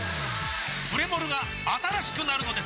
プレモルが新しくなるのです！